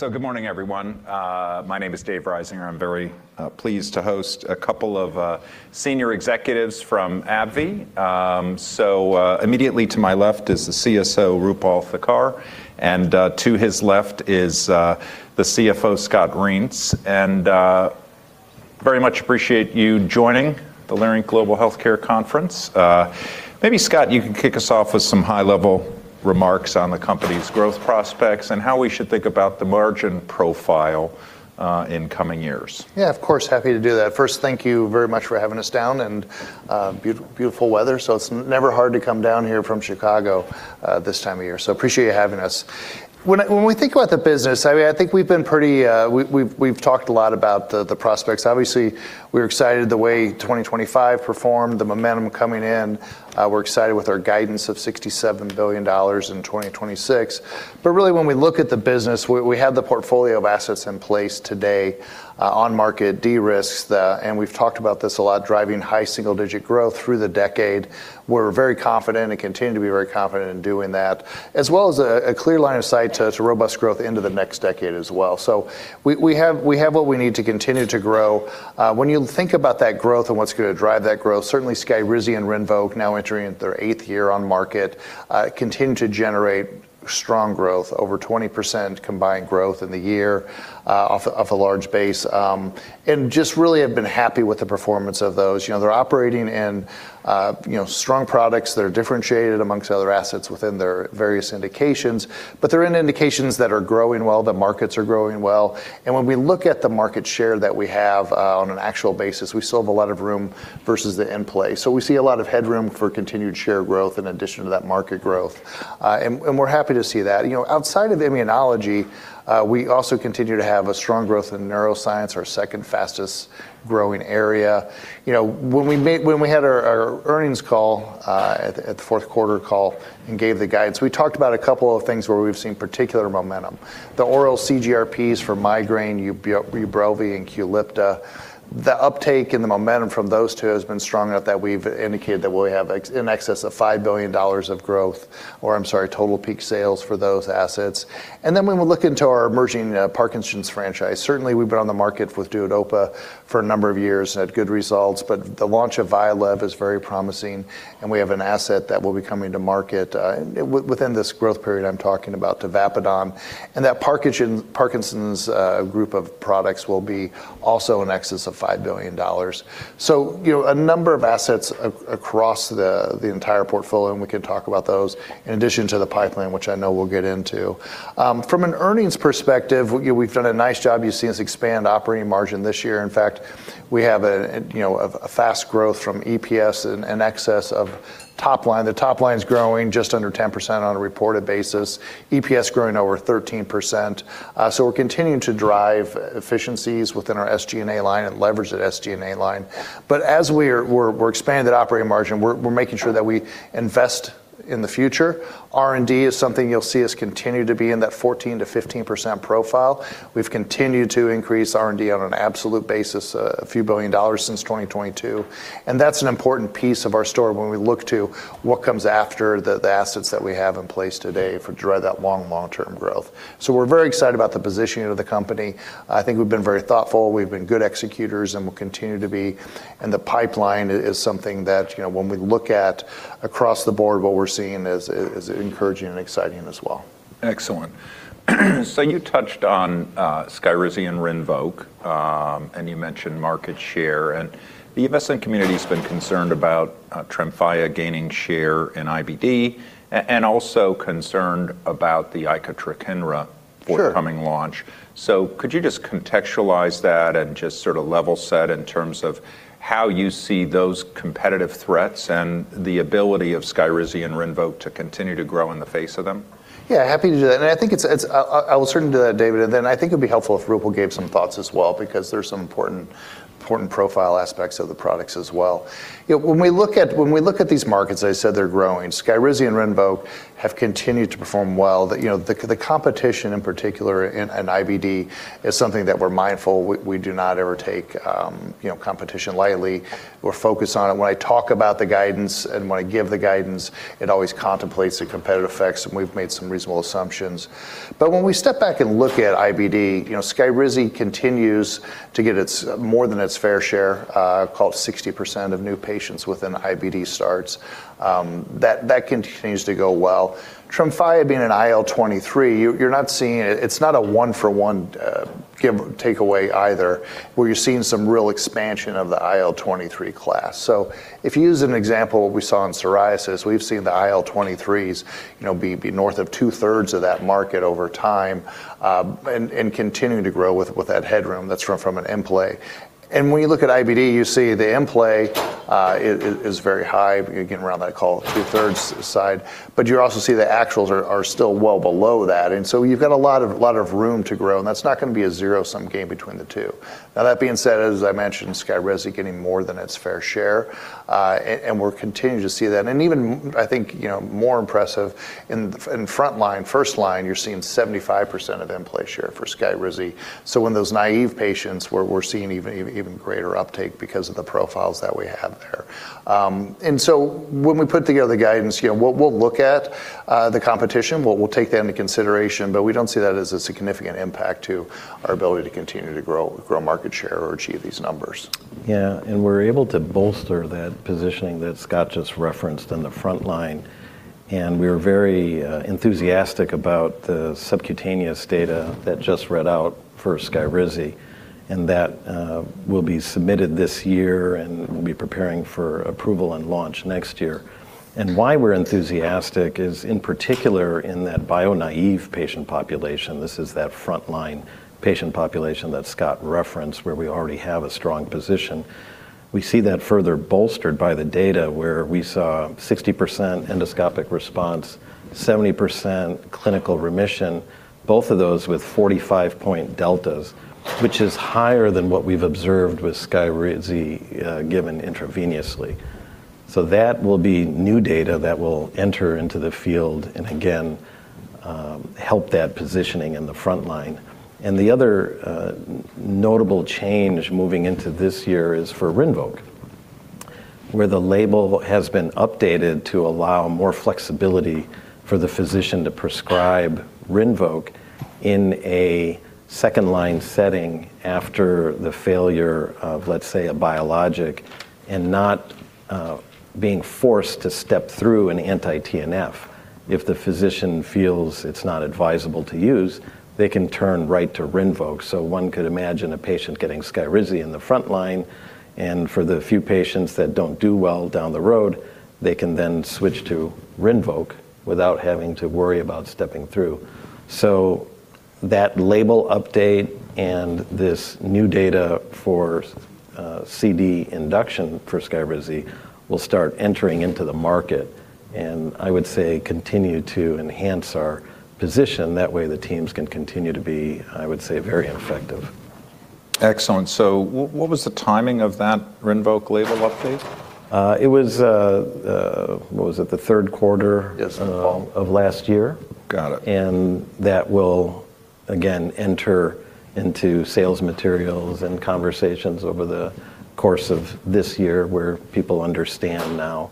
Good morning, everyone. My name is Dave Risinger. I'm very pleased to host a couple of senior executives from AbbVie. Immediately to my left is the CSO, Roopal Thakkar, and to his left is the CFO, Scott Reents. Very much appreciate you joining the Leerink Partners Global Healthcare Conference. Maybe Scott, you can kick us off with some high-level remarks on the company's growth prospects and how we should think about the margin profile in coming years. Yeah, of course. Happy to do that. First, thank you very much for having us down and, beautiful weather, so it's never hard to come down here from Chicago, this time of year. Appreciate you having us. When we think about the business, I mean, I think we've been pretty. We've talked a lot about the prospects. Obviously, we're excited the way 2025 performed, the momentum coming in. We're excited with our guidance of $67 billion in 2026. Really, when we look at the business, we have the portfolio of assets in place today, on market de-risk the. We've talked about this a lot, driving high single-digit growth through the decade. We're very confident and continue to be very confident in doing that, as well as a clear line of sight to robust growth into the next decade as well. We have what we need to continue to grow. When you think about that growth and what's gonna drive that growth, certainly SKYRIZI and RINVOQ, now entering their eighth year on market, continue to generate strong growth, over 20% combined growth in the year, off a large base. Just really have been happy with the performance of those. You know, they're operating in you know, strong products that are differentiated among other assets within their various indications, but they're in indications that are growing well, that markets are growing well. When we look at the market share that we have on an actual basis, we still have a lot of room versus the end play. We see a lot of headroom for continued share growth in addition to that market growth. We're happy to see that. You know, outside of immunology, we also continue to have strong growth in neuroscience, our second fastest growing area. You know, when we had our earnings call at the fourth quarter call and gave the guidance, we talked about a couple of things where we've seen particular momentum. The oral CGRPs for migraine, UBRELVY and QULIPTA. The uptake and the momentum from those two has been strong enough that we've indicated that we'll have in excess of $5 billion of growth or, I'm sorry, total peak sales for those assets. When we look into our emerging Parkinson's franchise. Certainly, we've been on the market with DUODOPA for a number of years and had good results, but the launch of Vyalev is very promising, and we have an asset that will be coming to market within this growth period I'm talking about, tavapadon. That Parkinson's group of products will be also in excess of $5 billion. You know, a number of assets across the entire portfolio, and we can talk about those in addition to the pipeline, which I know we'll get into. From an earnings perspective, we've done a nice job. You've seen us expand operating margin this year. In fact, we have, you know, fast growth from EPS in excess of top line. The top line's growing just under 10% on a reported basis. EPS growing over 13%. We're continuing to drive efficiencies within our SG&A line and leverage that SG&A line. As we're expanding that operating margin, we're making sure that we invest in the future. R&D is something you'll see us continue to be in that 14%-15% profile. We've continued to increase R&D on an absolute basis, $a few billion since 2022, and that's an important piece of our story when we look to what comes after the assets that we have in place today to drive that long-term growth. We're very excited about the positioning of the company. I think we've been very thoughtful, we've been good executors, and we'll continue to be. The pipeline is something that, you know, when we look at across the board, what we're seeing is encouraging and exciting as well. Excellent. So you touched on SKYRIZI and RINVOQ, and you mentioned market share. The investment community has been concerned about Tremfya gaining share in IBD and also concerned about the icotrokinra forthcoming launch. Could you just contextualize that and just sort of level set in terms of how you see those competitive threats and the ability of SKYRIZI and RINVOQ to continue to grow in the face of them? Yeah, happy to do that. I think it's. I will certainly do that, David, and then I think it'd be helpful if Roopal gave some thoughts as well, because there's some important profile aspects of the products as well. You know, when we look at these markets, as I said they're growing, SKYRIZI and RINVOQ have continued to perform well. The, you know, the competition in particular in IBD is something that we're mindful. We do not ever take, you know, competition lightly. We're focused on it. When I talk about the guidance and when I give the guidance, it always contemplates the competitive effects, and we've made some reasonable assumptions. When we step back and look at IBD, you know, SKYRIZI continues to get its more than its fair share, called 60% of new patients within IBD starts. That continues to go well. Tremfya being an IL-23, you're not seeing it. It's not a one for one, give or take away either, where you're seeing some real expansion of the IL-23 class. If you use an example we saw in psoriasis, we've seen the IL-23s, you know, be north of two-thirds of that market over time, and continuing to grow with that headroom that's from an end-play. When you look at IBD, you see the end-play is very high, again, around that call two-thirds side. You also see the actuals are still well below that. You've got a lot of room to grow, and that's not gonna be a zero-sum game between the two. Now, that being said, as I mentioned, SKYRIZI getting more than its fair share. We're continuing to see that. Even I think, you know, more impressive in front line, first line, you're seeing 75% of new patient share for SKYRIZI. In those naive patients we're seeing even greater uptake because of the profiles that we have there. When we put together the guidance, you know, we'll look at the competition. We'll take that into consideration. We don't see that as a significant impact to our ability to continue to grow market share or achieve these numbers. Yeah. We're able to bolster that positioning that Scott just referenced in the front line. We're very enthusiastic about the subcutaneous data that just read out for SKYRIZI, and that will be submitted this year, and we'll be preparing for approval and launch next year. Why we're enthusiastic is in particular in that biologic-naive patient population, this is that frontline patient population that Scott referenced, where we already have a strong position. We see that further bolstered by the data where we saw 60% endoscopic response, 70% clinical remission, both of those with 45-point deltas, which is higher than what we've observed with SKYRIZI given intravenously. That will be new data that will enter into the field and again help that positioning in the front line. The other, notable change moving into this year is for RINVOQ, where the label has been updated to allow more flexibility for the physician to prescribe RINVOQ in a second-line setting after the failure of, let's say, a biologic and not being forced to step through an anti-TNF. If the physician feels it's not advisable to use, they can turn right to RINVOQ. One could imagine a patient getting SKYRIZI in the front line, and for the few patients that don't do well down the road, they can then switch to RINVOQ without having to worry about stepping through. That label update and this new data for CD induction for SKYRIZI will start entering into the market, and I would say continue to enhance our position. That way, the teams can continue to be, I would say, very effective. Excellent. What was the timing of that RINVOQ label update? It was the third quarter- Yes, in the fall. -of last year. Got it. That will again enter into sales materials and conversations over the course of this year, where people understand now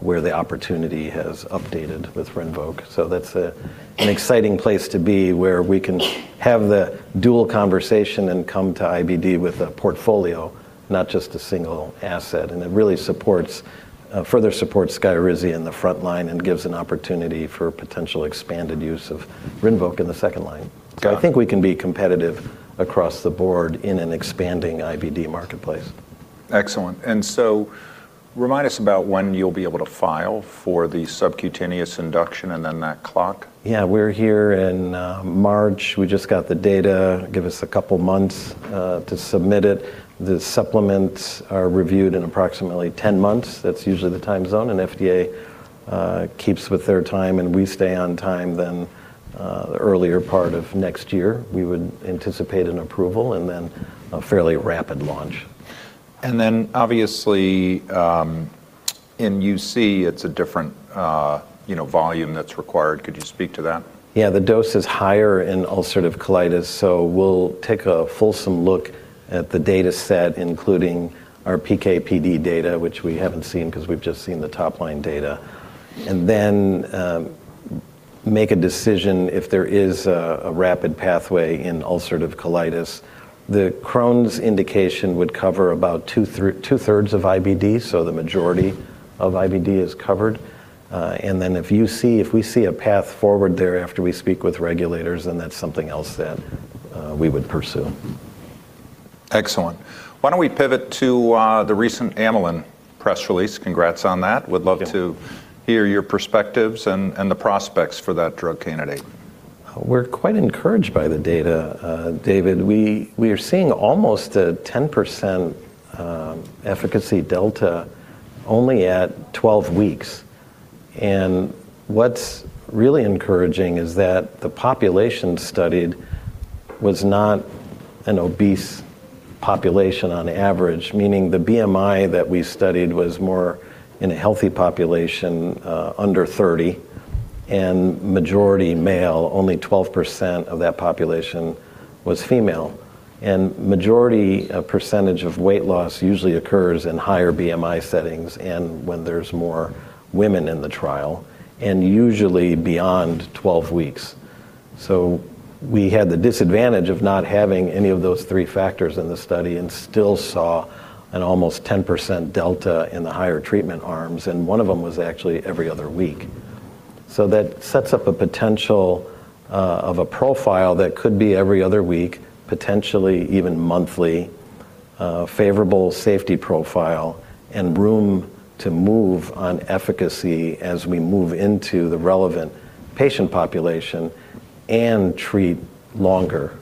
where the opportunity has updated with RINVOQ. So that's an exciting place to be, where we can have the dual conversation and come to IBD with a portfolio, not just a single asset. It really further supports SKYRIZI in the front line and gives an opportunity for potential expanded use of RINVOQ in the second line. Got it. I think we can be competitive across the board in an expanding IBD marketplace. Excellent. Remind us about when you'll be able to file for the subcutaneous induction and then that clock. Yeah. We're here in March. We just got the data. Give us a couple months to submit it. The supplements are reviewed in approximately 10 months. That's usually the timeline, and FDA keeps to their timeline, and we stay on time, then the earlier part of next year, we would anticipate an approval and then a fairly rapid launch. Obviously, in UC, it's a different, you know, volume that's required. Could you speak to that? Yeah. The dose is higher in ulcerative colitis, so we'll take a fulsome look at the dataset, including our PK/PD data, which we haven't seen 'cause we've just seen the top-line data, and then make a decision if there is a rapid pathway in ulcerative colitis. The Crohn's indication would cover about two-thirds of IBD, so the majority of IBD is covered. If we see a path forward there after we speak with regulators, then that's something else that we would pursue. Excellent. Why don't we pivot to the recent amylin press release? Congrats on that. Thank you. Would love to hear your perspectives and the prospects for that drug candidate. We're quite encouraged by the data, David. We are seeing almost a 10% efficacy delta only at 12 weeks. What's really encouraging is that the population studied was not an obese population on average, meaning the BMI that we studied was more in a healthy population under 30 and majority male. Only 12% of that population was female. Majority of percentage of weight loss usually occurs in higher BMI settings and when there's more women in the trial and usually beyond 12 weeks. We had the disadvantage of not having any of those three factors in the study and still saw an almost 10% delta in the higher treatment arms, and one of them was actually every other week. That sets up a potential of a profile that could be every other week, potentially even monthly, a favorable safety profile and room to move on efficacy as we move into the relevant patient population and treat longer.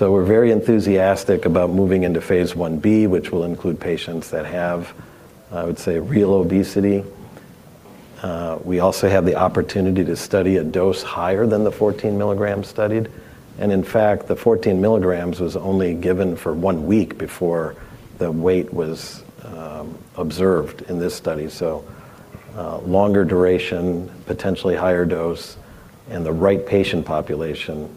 We're very enthusiastic about moving into phase Ib, which will include patients that have, I would say, real obesity. We also have the opportunity to study a dose higher than the 14 milligrams studied, and in fact, the 14 milligrams was only given for 1 week before the weight was observed in this study. Longer duration, potentially higher dose, and the right patient population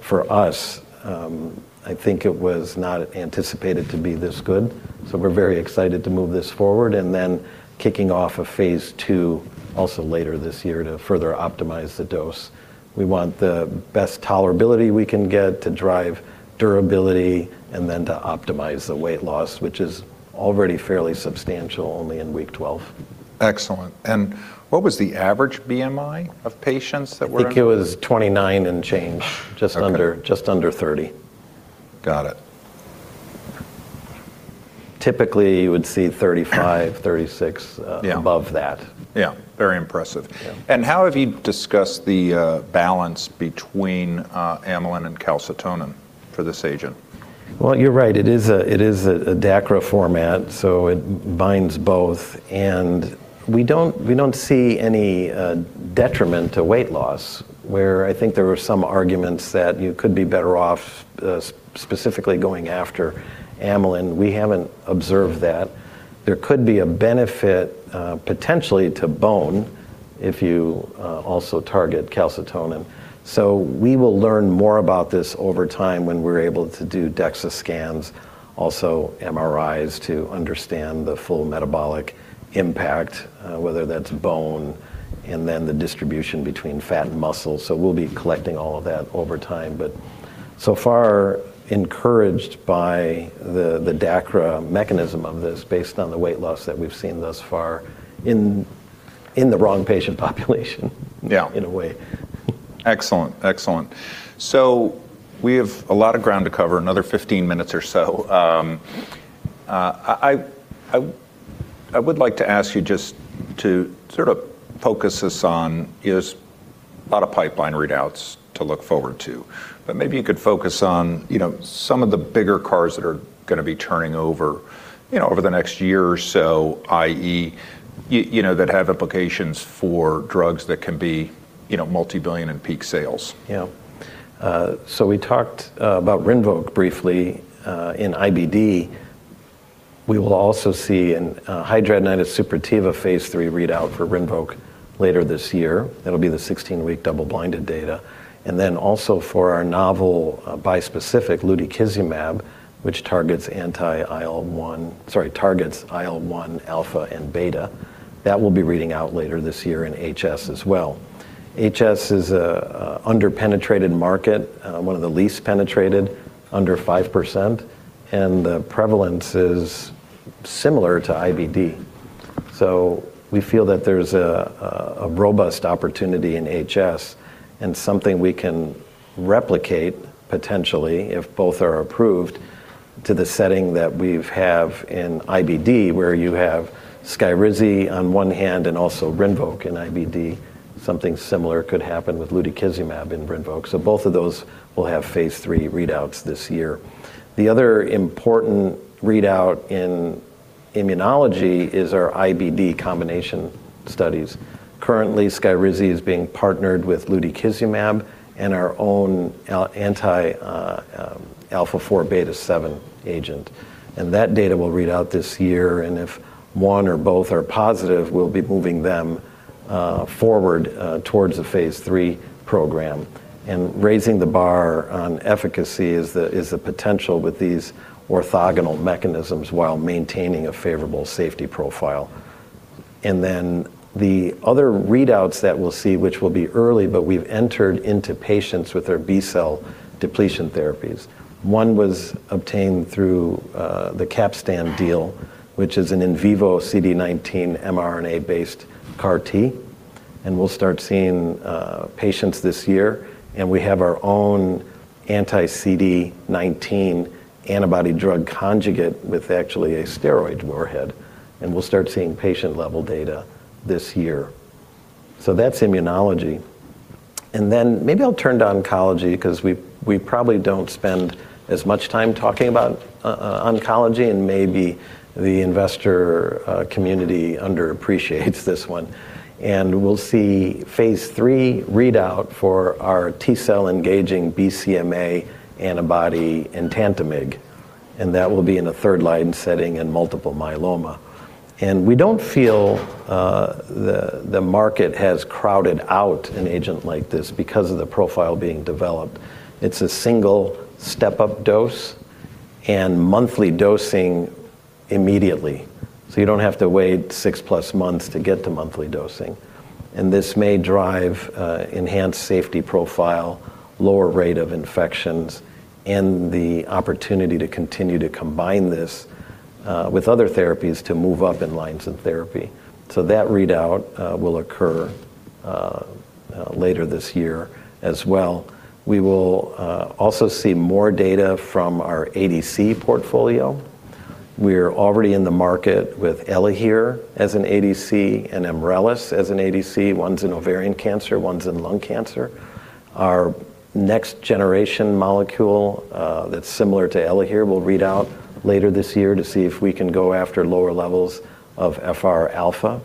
for us, I think it was not anticipated to be this good. We're very excited to move this forward and then kicking off a phase II also later this year to further optimize the dose. We want the best tolerability we can get to drive durability and then to optimize the weight loss, which is already fairly substantial only in week 12. Excellent. What was the average BMI of patients that were in- I think it was 29 and change. Okay. Just under 30. Got it. Typically, you would see 35, 36 above that. Yeah. Very impressive. Yeah. How have you discussed the balance between amylin and calcitonin for this agent? Well, you're right. It is a DACRA format, so it binds both. We don't see any detriment to weight loss where I think there were some arguments that you could be better off specifically going after amylin. We haven't observed that. There could be a benefit potentially to bone if you also target calcitonin. We will learn more about this over time when we're able to do DEXA scans, also MRIs to understand the full metabolic impact, whether that's bone and then the distribution between fat and muscle. We'll be collecting all of that over time, but so far encouraged by the DACRA mechanism of this based on the weight loss that we've seen thus far in the wrong patient population- Yeah. -in a way. Excellent. We have a lot of ground to cover, another 15 minutes or so. I would like to ask you just to sort of focus on, as there is a lot of pipeline readouts to look forward to, but maybe you could focus on, you know, some of the bigger catalysts that are going to be turning over, you know, over the next year or so, i.e., you know, that have implications for drugs that can be, you know, multi-billion in peak sales. Yeah. We talked about RINVOQ briefly in IBD. We will also see in Hidradenitis Suppurativa phase III readout for RINVOQ later this year. That'll be the 16-week double-blinded data. Then also for our novel bispecific lutikizumab, which targets IL-1 alpha and beta. That will be reading out later this year in HS as well. HS is an under-penetrated market, one of the least penetrated under 5%, and the prevalence is similar to IBD. We feel that there's a robust opportunity in HS and something we can replicate potentially if both are approved to the setting that we have in IBD where you have SKYRIZI on one hand and also RINVOQ in IBD, something similar could happen with lutikizumab and RINVOQ. Both of those will have phase III readouts this year. The other important readout in immunology is our IBD combination studies. Currently, SKYRIZI is being partnered with lutikizumab and our own alpha-4 beta-7 agent, and that data will read out this year, and if one or both are positive, we'll be moving them forward towards a phase III program. Raising the bar on efficacy is the potential with these orthogonal mechanisms while maintaining a favorable safety profile. The other readouts that we'll see, which will be early, but we've entered patients with their B-cell depletion therapies. One was obtained through the Capstan deal, which is an in vivo CD19 mRNA-based CAR T, and we'll start seeing patients this year. We have our own anti-CD19 antibody drug conjugate with actually a steroid warhead, and we'll start seeing patient-level data this year. That's immunology. Then maybe I'll turn to oncology because we probably don't spend as much time talking about oncology and maybe the investor community underappreciates this one. We'll see phase III readout for our T-cell engaging BCMA antibody in etentamig, and that will be in a third-line setting in multiple myeloma. We don't feel the market has crowded out an agent like this because of the profile being developed. It's a single step-up dose and monthly dosing immediately. So you don't have to wait six-plus months to get to monthly dosing. This may drive enhanced safety profile, lower rate of infections, and the opportunity to continue to combine this with other therapies to move up in lines of therapy. That readout later this year as well. We will also see more data from our ADC portfolio. We're already in the market with ELAHERE as an ADC and Emrelis as an ADC. One's in ovarian cancer, one's in lung cancer. Our next generation molecule that's similar to ELAHERE will read out later this year to see if we can go after lower levels of FR-alpha.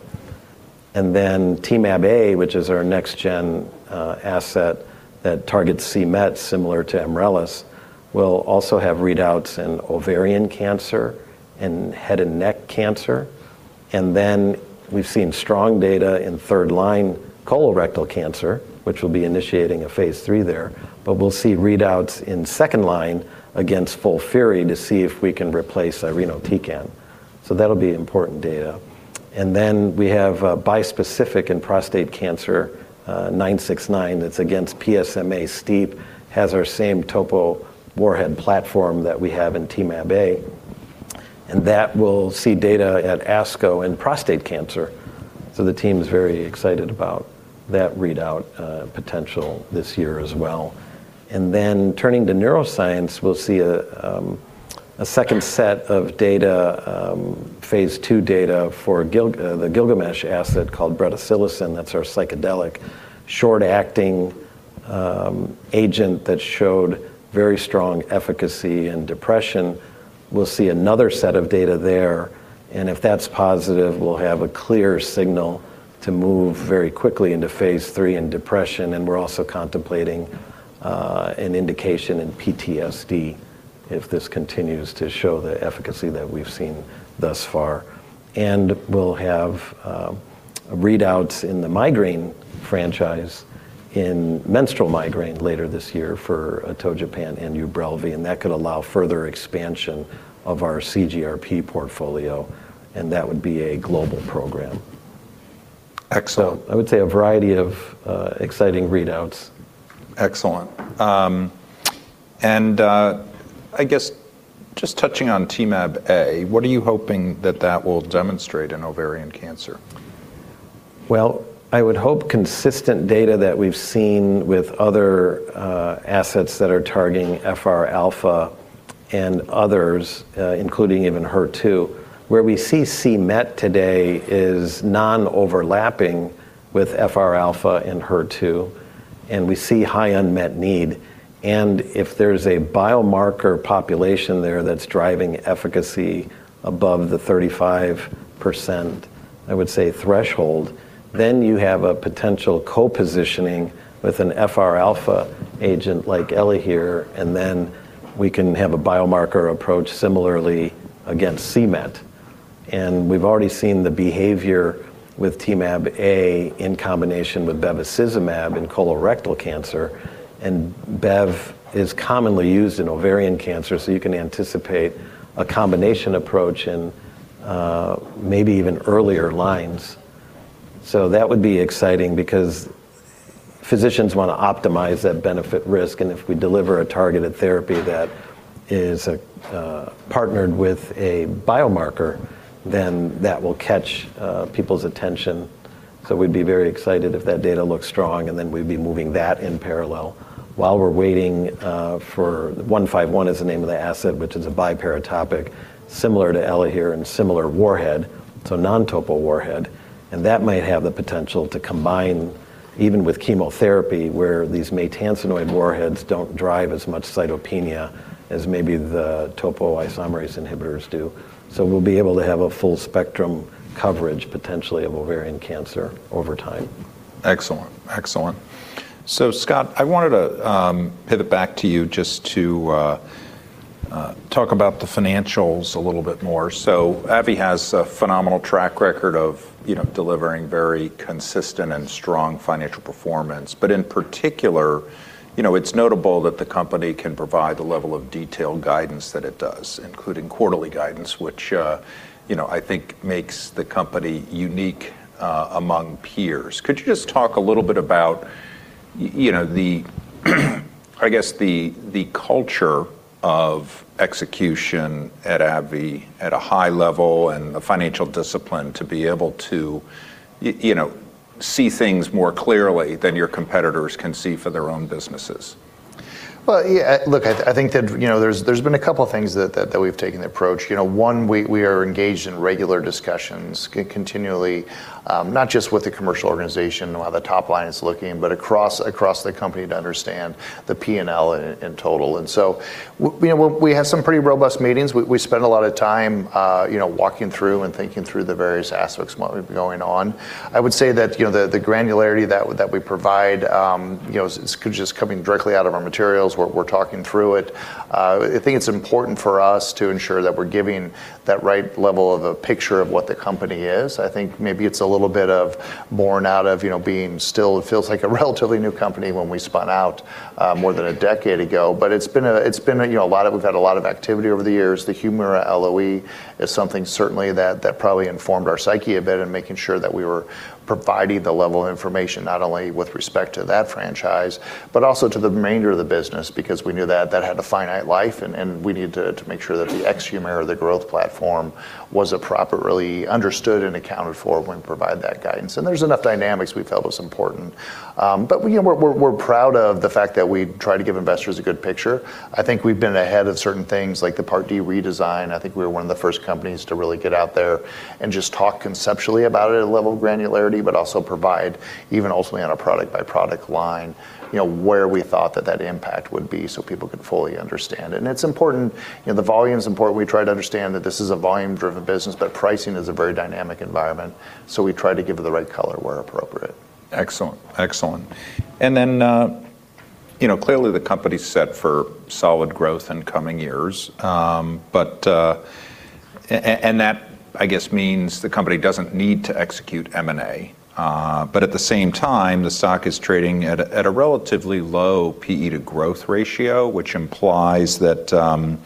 Temab-A, which is our next gen asset that targets c-Met similar to Emrelis, will also have readouts in ovarian cancer and head and neck cancer. We've seen strong data in third line colorectal cancer, which will be initiating a phase III there. We'll see readouts in second line against FOLFIRI to see if we can replace irinotecan. That'll be important data. We have bispecific in prostate cancer, 969 that's against PSMA. STEAP1 has our same topo warhead platform that we have in Temab-A. That will see data at ASCO in prostate cancer. The team's very excited about that readout potential this year as well. Turning to neuroscience, we'll see a second set of data, phase II data for the Gilgamesh asset called bretasilocin. That's our psychedelic short-acting agent that showed very strong efficacy in depression. We'll see another set of data there, and if that's positive, we'll have a clear signal to move very quickly into phase III in depression, and we're also contemplating an indication in PTSD if this continues to show the efficacy that we've seen thus far. We'll have readouts in the migraine franchise in menstrual migraine later this year for ATOGEPANT and UBRELVY, and that could allow further expansion of our CGRP portfolio, and that would be a global program. Excellent. I would say a variety of exciting readouts. Excellent. I guess just touching on Temab-A, what are you hoping that that will demonstrate in ovarian cancer? Well, I would hope consistent data that we've seen with other assets that are targeting FR-alpha and others, including even HER2. Where we see c-Met today is non-overlapping with FR-alpha and HER2, and we see high unmet need. If there's a biomarker population there that's driving efficacy above the 35% threshold, I would say, then you have a potential co-positioning with an FR-alpha agent like ELAHERE, and then we can have a biomarker approach similarly against c-Met. We've already seen the behavior with Temab-A in combination with bevacizumab in colorectal cancer, and bev is commonly used in ovarian cancer, so you can anticipate a combination approach in maybe even earlier lines. That would be exciting because physicians wanna optimize that benefit risk, and if we deliver a targeted therapy that is, partnered with a biomarker, then that will catch, people's attention. We'd be very excited if that data looks strong, and then we'd be moving that in parallel while we're waiting, for ABBV-151 is the name of the asset, which is a biparatopic similar to ELAHERE and similar warhead, so non-topo warhead. That might have the potential to combine even with chemotherapy, where these maytansinoid warheads don't drive as much cytopenia as maybe the topoisomerase inhibitors do. We'll be able to have a full spectrum coverage potentially of ovarian cancer over time. Excellent. Scott, I wanted to pivot back to you just to talk about the financials a little bit more. AbbVie has a phenomenal track record of, you know, delivering very consistent and strong financial performance. In particular, you know, it's notable that the company can provide the level of detailed guidance that it does, including quarterly guidance, which, you know, I think makes the company unique among peers. Could you just talk a little bit about, you know, I guess the culture of execution at AbbVie at a high level and the financial discipline to be able to, you know, see things more clearly than your competitors can see for their own businesses? Yeah, look, I think that, you know, there's been a couple things that we've taken the approach. You know, one, we are engaged in regular discussions continually, not just with the commercial organization and how the top line is looking, but across the company to understand the P&L in total. We have some pretty robust meetings. We spend a lot of time, you know, walking through and thinking through the various aspects, what would be going on. I would say that, you know, the granularity that we provide, you know, is just coming directly out of our materials, we're talking through it. I think it's important for us to ensure that we're giving that right level of a picture of what the company is. I think maybe it's a little bit born out of, you know, being still it feels like a relatively new company when we spun out, more than a decade ago. It's been a, you know, a lot of activity over the years. The Humira LOE is something certainly that probably informed our psyche a bit in making sure that we were providing the level of information not only with respect to that franchise, but also to the remainder of the business. We knew that that had a finite life and we needed to make sure that the ex Humira, the growth platform, was properly understood and accounted for when providing that guidance. There's enough dynamics we felt was important. But you know, we're proud of the fact that we try to give investors a good picture. I think we've been ahead of certain things like the Part D redesign. I think we're one of the first companies to really get out there and just talk conceptually about it at a level of granularity, but also provide even ultimately on a product-by-product line, you know, where we thought that that impact would be so people could fully understand it. It's important, you know, the volume's important. We try to understand that this is a volume-driven business, but pricing is a very dynamic environment, so we try to give the right color where appropriate. Excellent. You know, clearly the company's set for solid growth in coming years. That, I guess, means the company doesn't need to execute M&A. At the same time, the stock is trading at a relatively low P/E-to-growth ratio, which implies that, you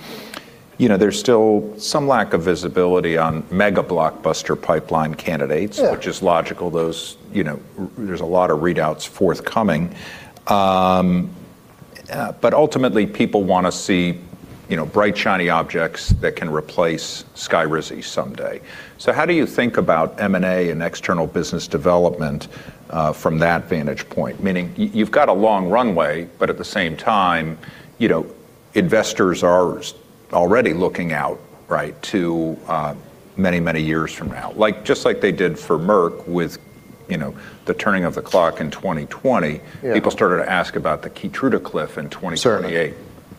know, there's still some lack of visibility on mega blockbuster pipeline candidates... Yeah. ...which is logical. Those, you know, there's a lot of readouts forthcoming. Ultimately people wanna see, you know, bright, shiny objects that can replace SKYRIZI someday. How do you think about M&A and external business development from that vantage point? Meaning you've got a long runway, but at the same time, you know, investors are already looking out, right, to many, many years from now. Like, just like they did for Merck with, you know, the turning of the clock in 2020. Yeah. People started to ask about the Keytruda cliff in 2028.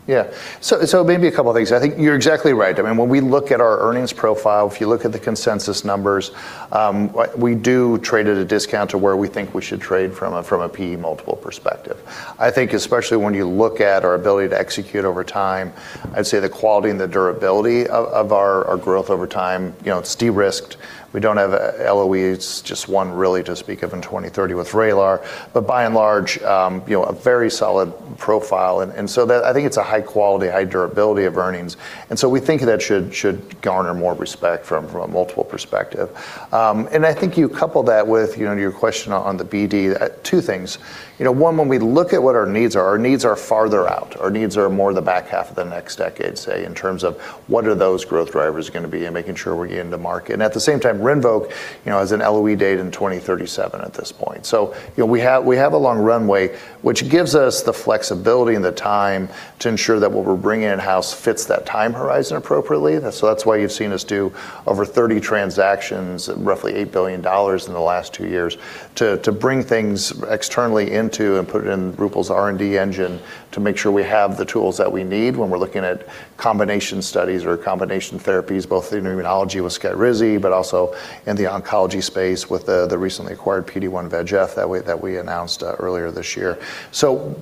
Certainly. Yeah. Maybe a couple of things. I think you're exactly right. I mean, when we look at our earnings profile, if you look at the consensus numbers, what we do trade at a discount to where we think we should trade from a P/E multiple perspective. I think especially when you look at our ability to execute over time, I'd say the quality and the durability of our growth over time, you know, it's de-risked. We don't have LOEs, just one really to speak of in 2030 with VRAYLAR. But by and large, you know, a very solid profile. I think it's a high quality, high durability of earnings. We think that should garner more respect from a multiple perspective. I think you couple that with, you know, your question on the BD, two things. You know, one, when we look at what our needs are, our needs are farther out. Our needs are more the back half of the next decade, say, in terms of what are those growth drivers gonna be and making sure we're getting the market. At the same time, RINVOQ, you know, has an LOE date in 2037 at this point. You know, we have a long runway, which gives us the flexibility and the time to ensure that what we're bringing in-house fits that time horizon appropriately. That's why you've seen us do over 30 transactions, roughly $8 billion in the last 2 years to bring things externally into and put it in Roopal's R&D engine to make sure we have the tools that we need when we're looking at combination studies or combination therapies, both in immunology with SKYRIZI, but also in the oncology space with the recently acquired PD-1/VEGF that we announced earlier this year.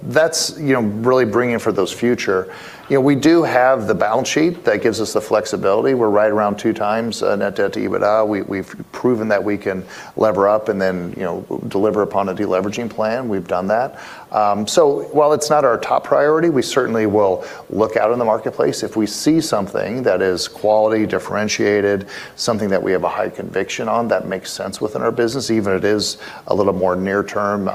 That's, you know, really bringing for those future. You know, we do have the balance sheet that gives us the flexibility. We're right around 2 times net debt to EBITDA. We've proven that we can lever up and then, you know, deliver upon a deleveraging plan. We've done that. While it's not our top priority, we certainly will look out in the marketplace. If we see something that is quality differentiated, something that we have a high conviction on that makes sense within our business, even if it is a little more near-term,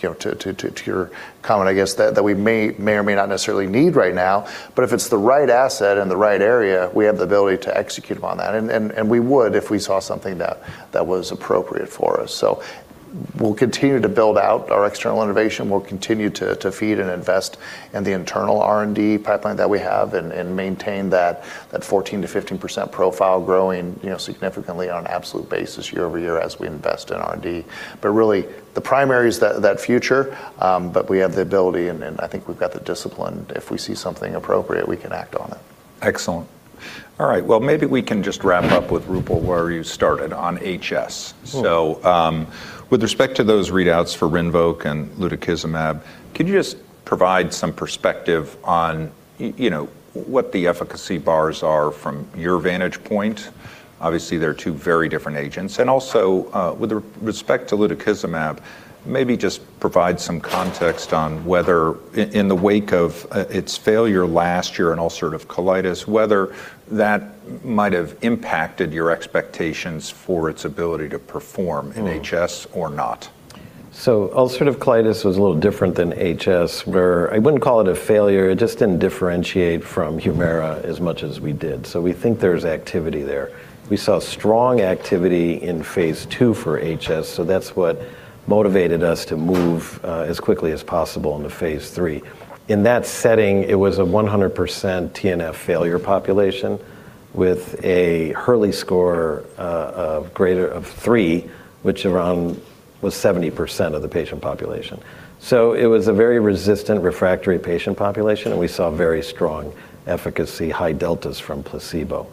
you know, to your comment, I guess, that we may or may not necessarily need right now, but if it's the right asset in the right area, we have the ability to execute upon that. We would if we saw something that was appropriate for us. We'll continue to build out our external innovation. We'll continue to feed and invest in the internal R&D pipeline that we have and maintain that 14%-15% profile growing, you know, significantly on an absolute basis year-over-year as we invest in R&D. Really, the primary is that future, but we have the ability and I think we've got the discipline. If we see something appropriate, we can act on it. Excellent. All right. Well, maybe we can just wrap up with Roopal where you started on HS. Sure. With respect to those readouts for RINVOQ and lutikizumab, can you just provide some perspective on you know, what the efficacy bars are from your vantage point? Obviously, they're two very different agents. Also, with respect to lutikizumab, maybe just provide some context on whether in the wake of its failure last year in ulcerative colitis, whether that might have impacted your expectations for its ability to perform in HS or not. Ulcerative colitis was a little different than HS, where I wouldn't call it a failure. It just didn't differentiate from Humira as much as we did. We think there's activity there. We saw strong activity in phase II for HS, so that's what motivated us to move as quickly as possible into phase III. In that setting, it was a 100% TNF failure population with a Hurley score of greater than three, which was around 70% of the patient population. It was a very resistant refractory patient population, and we saw very strong efficacy, high deltas from placebo.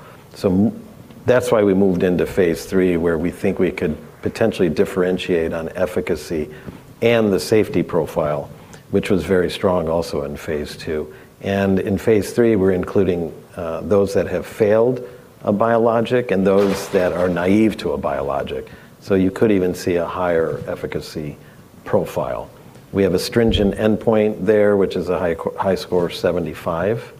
That's why we moved into phase III, where we think we could potentially differentiate on efficacy and the safety profile, which was very strong also in phase II. In phase III, we're including those that have failed a biologic and those that are naive to a biologic. You could even see a higher efficacy profile. We have a stringent endpoint there, which is a HiSCR 75.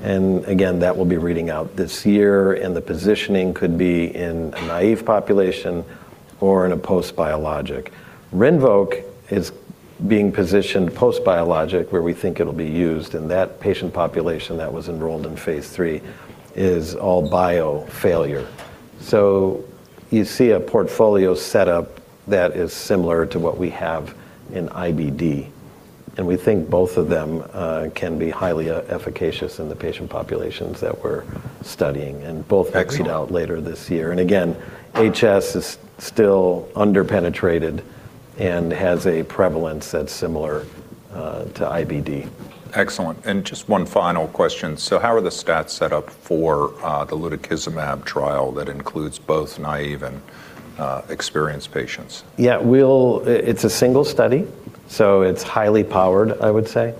That will be reading out this year, and the positioning could be in a naive population or in a post-biologic. RINVOQ is being positioned post-biologic, where we think it'll be used, and that patient population that was enrolled in phase III is all biologic failure. You see a portfolio setup that is similar to what we have in IBD, and we think both of them can be highly efficacious in the patient populations that we're studying. Excellent... exit out later this year. Again, HS is still under-penetrated and has a prevalence that's similar to IBD. Excellent. Just one final question. How are the stats set up for the lutikizumab trial that includes both naive and experienced patients? Yeah. It's a single study, so it's highly powered, I would say.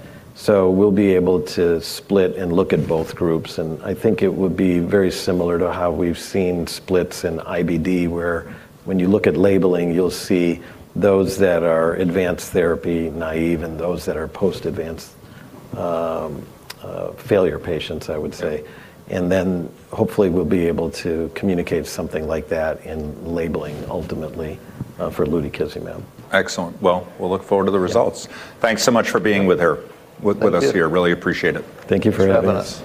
We'll be able to split and look at both groups, and I think it would be very similar to how we've seen splits in IBD, where when you look at labeling, you'll see those that are advanced therapy naive and those that are post-advanced failure patients, I would say. Then hopefully we'll be able to communicate something like that in labeling ultimately for lutikizumab. Excellent. Well, we'll look forward to the results. Yeah. Thanks so much for being here. Thank you. with us here. Really appreciate it. Thank you for having us.